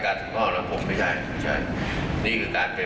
แล้วผมก็จะไปกัน